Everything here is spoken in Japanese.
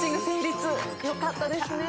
よかったですね。